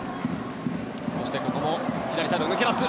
そして、ここも左サイド、抜け出す。